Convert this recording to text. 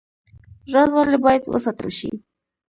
راز ولې باید وساتل شي؟